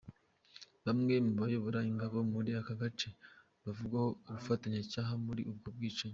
Bamwe mu bayoboye ingabo muri ako gace, bavugwaho ubufatanyacyaha muri ubwo bwicanyi.